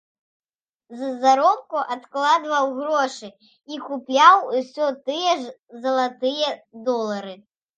З заробку адкладваў грошы і купляў усё тыя ж залатыя долары.